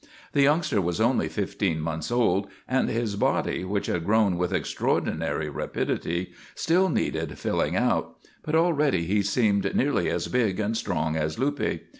The youngster was only fifteen months old, and his body, which had grown with extraordinary rapidity, still needed filling out, but already he seemed nearly as big and strong as Luppe.